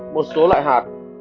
một số loại hạt